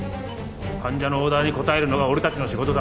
患者のオーダーに応えるのが俺たちの仕事だ。